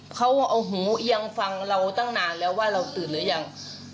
เขาเอาหูเอียงฟังเราตั้งนานแล้วว่าเราตื่นหรือยัง